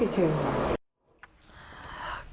ต้องการติดคุกเฉยนะครับ